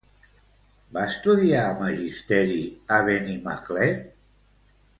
Va estudiar Magisteri a Benimaclet?